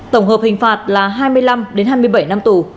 tổng hợp hình phạt là hai mươi năm đến hai mươi bảy năm tù